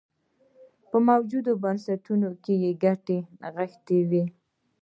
په موجوده بنسټونو کې یې ګټې نغښتې وې.